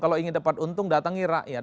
kalau ingin dapat untung datangi rakyat